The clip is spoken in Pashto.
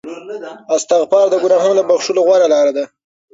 استغفار د ګناهونو د بخښلو غوره لاره ده.